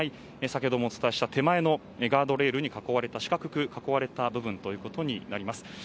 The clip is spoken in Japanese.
先ほどもお伝えした手前のガードレールに四角く囲われた部分になります。